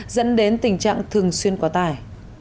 dẫn đến tình trạng thường xuyên quá tải